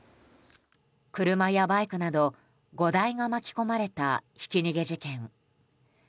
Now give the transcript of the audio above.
車やバイクなど５台が巻き込まれたひき逃げ事件。